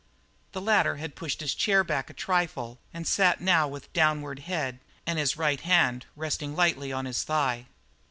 The latter had pushed his chair back a trifle and sat now with downward head and his right hand resting lightly on his thigh.